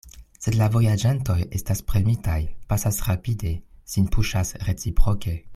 Sed la vojaĝantoj estas premitaj, pasas rapide, sin puŝas reciproke.